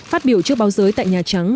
phát biểu trước báo giới tại nhà trắng